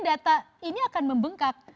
data ini akan membengkak